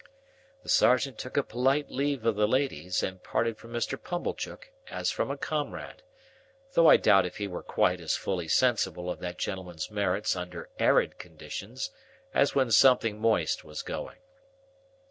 The sergeant took a polite leave of the ladies, and parted from Mr. Pumblechook as from a comrade; though I doubt if he were quite as fully sensible of that gentleman's merits under arid conditions, as when something moist was going.